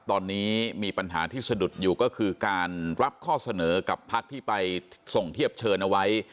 ตอนนี้มีปัญหาที่สะดุดอยู่ก็คือการรับข้อเสนอกับพักที่ไปส่งเทียบเชิญเอาไว้